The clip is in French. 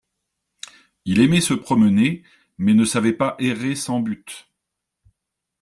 Il aimait se promener, mais ne savait pas errer sans but.